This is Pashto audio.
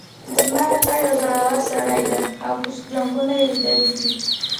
زما کاکا یو زړور سړی ده او جنګونه یې لیدلي دي